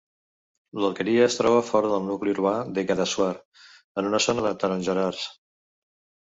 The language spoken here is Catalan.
L'alqueria es troba fora del nucli urbà de Guadassuar, en una zona de tarongerars.